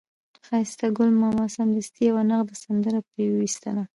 ښایسته ګل ماما سمدستي یوه نغده سندره پرې وویستله.